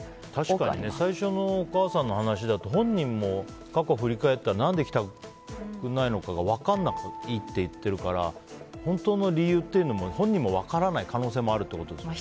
確かに最初のお母さんの話だと本人も過去を振り返っても何で行きたくないのかが分からないって言ってるから本当の理由も本人も分からない可能性もあるってことですね。